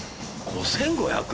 ５，５００？